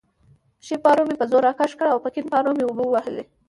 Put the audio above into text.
ښی پارو مې په زور راکش کړ او په کیڼ پارو مې اوبه ووهلې.